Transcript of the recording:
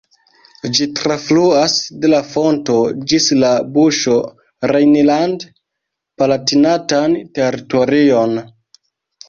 Ĝi trafluas de la fonto ĝis la buŝo rejnland-Palatinatan teritorion.